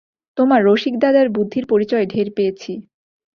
তোমার রসিকদাদার বুদ্ধির পরিচয় ঢের পেয়েছি।